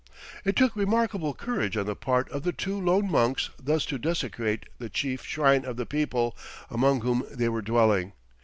It took remarkable courage on the part of the two lone monks thus to desecrate the chief shrine of the people among whom they were dwelling.